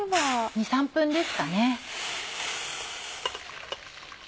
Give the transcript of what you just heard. ２３分ですかね。